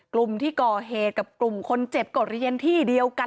กลุ่มที่ก่อเหตุกับกลุ่มคนเจ็บก็เรียนที่เดียวกัน